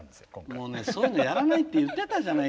もうねそういうのやらないって言ってたじゃない。